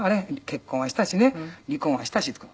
結婚はしたしね離婚はしたし」とか。